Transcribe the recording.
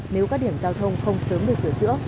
nếu các điểm giao thông không sớm được sửa chữa